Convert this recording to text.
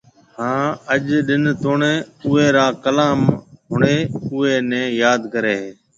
هان اج ڏن توڻي اوئي را ڪلام ۿڻي اوئي ني ياد ڪري هي